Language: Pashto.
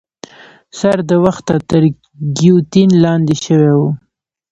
سر د وخته تر ګیوتین لاندي شوی وو.